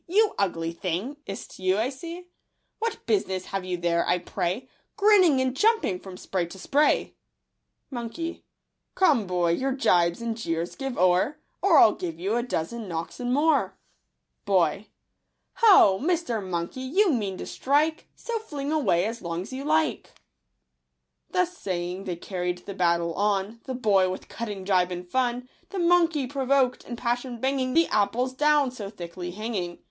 You ugly thing, is't you I see ? What business have you there, I pray, Grinning and jumping from spray to spray?" . Monkey .—" Come, boy, your jibes and jeers give Or I'll give you a dozen knocks and more." Boy .—" Ho ! Mr. Monkey, you mean to strike ? So fling away as long *s you like." Digitized by Google Thus saying they carried the battle on — The boy with cutting jibe and fun ; The monkey provoked, in passion banging The apples down, so thickly hanging.